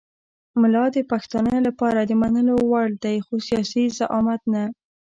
ملا د پښتانه لپاره د منلو وړ دی خو سیاسي زعامت نه.